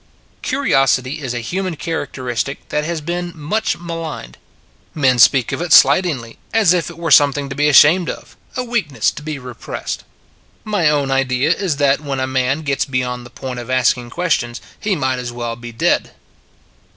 Curiosity is a human characteristic that has been much maligned. Men speak of it slightingly, as if it were something to be 12 A Great Word Is "Why" 13 ashamed of; a weakness to be repressed. My own idea is that when a man gets beyond the point of asking questions, he might as well be dead.